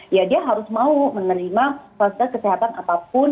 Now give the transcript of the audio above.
ya dia harus mau menerima fasilitas kesehatan apapun